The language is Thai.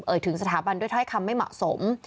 ถึงสถาบันด้วยถ้อยคำไม่เหมาะสม